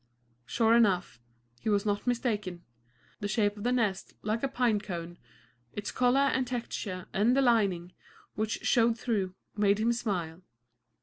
Sure enough, he was not mistaken. The shape of the nest, like a pine cone, its color and texture, and the lining, which showed through, made him smile.